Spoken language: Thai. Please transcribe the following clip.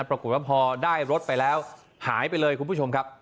ปรากฏว่าพอได้รถไปแล้วหายไปเลยคุณผู้ชมครับ